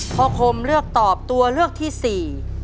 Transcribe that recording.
ข้อคมเลือกตอบตัวเลือกที่๔